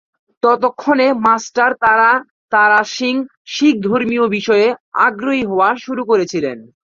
ততক্ষণে মাস্টার তারা তারা সিং শিখ ধর্মীয় বিষয়ে আগ্রহী হওয়া শুরু করেছিলেন।